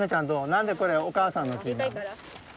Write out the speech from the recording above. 何でこれお母さんの木なの？